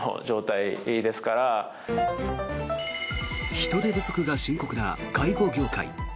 人手不足が深刻な介護業界。